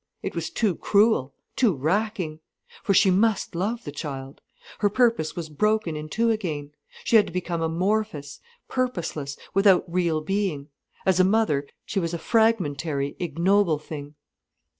It was too cruel, too racking. For she must love the child. Her purpose was broken in two again. She had to become amorphous, purposeless, without real being. As a mother, she was a fragmentary, ignoble thing.